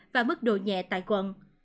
và mức độ nhẹ tại quận